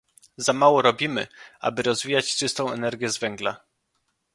Za mało robimy, aby rozwijać czystą energię z węgla